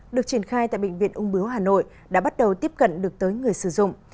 được triển khai tại bệnh viện ung bướu hà nội đã bắt đầu tiếp cận được tới người sử dụng